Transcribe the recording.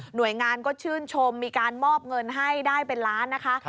หน่วยงานก็ชื่นชมมีการมอบเงินให้ได้เป็นล้านนะคะ